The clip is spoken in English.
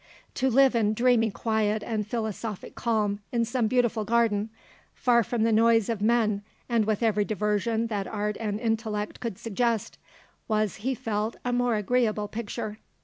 To live in dreamy quiet and philosophic calm in some beautiful garden, far from the noise of men and with every diversion that art and intellect could suggest, was, he felt, a more agreeable picture.